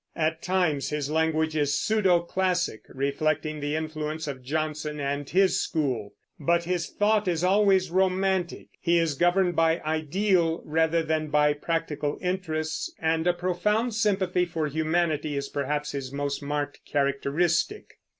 At times his language is pseudo classic, reflecting the influence of Johnson and his school; but his thought is always romantic; he is governed by ideal rather than by practical interests, and a profound sympathy for humanity is perhaps his most marked characteristic.